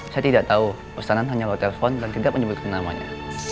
saya tidak tau ustaz anan hanya lo telpon dan tidak menyebutkan namanya